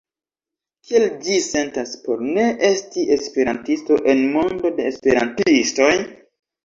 Kiel ĝi sentas por ne esti esperantisto en mondo de esperantistoj?